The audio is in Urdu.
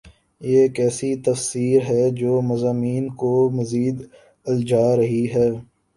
یہ کیسی تفسیر ہے جو مضامین کو مزید الجھا رہی ہے؟